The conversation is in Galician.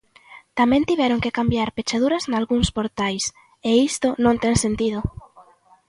Tamén tiveron que cambiar pechaduras nalgúns portais, e isto non ten sentido.